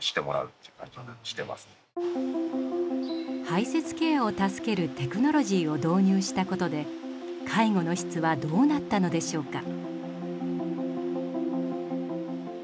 排せつケアを助けるテクノロジーを導入したことで介護の質はどうなったのでしょうか？